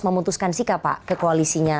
memutuskan sikap pak ke koalisinya